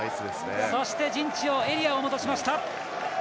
そしてエリアを戻しました。